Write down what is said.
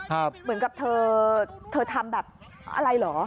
เหมือนกับเธอเธอทำแบบอะไรเหรอ